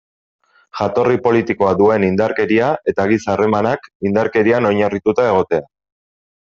Jatorri politikoa duen indarkeria eta giza harremanak indarkerian oinarrituta egotea.